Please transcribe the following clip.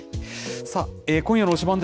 さあ、今夜の推しバン！